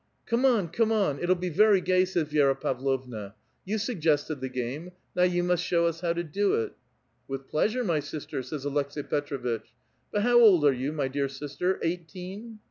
" "Came on! come on! It'll be very gay," says Vi^ra Pavlovna. " You suggested the game ; now you must show us how to do it." "With pleasure, my sister," says Aleks^i Petr6vitch. " But how old are you, m}' dear sister? eighteen?"